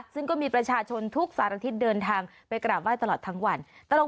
ซึ่งก็มีประชาชนทุกสารทิศเดินทางไปกราบไห้ตลอดทั้งวัน